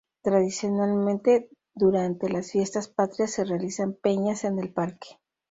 Tradicionalmente durante las Fiestas Patrias se realizan peñas en el parque.